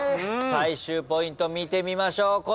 最終ポイント見てみましょう。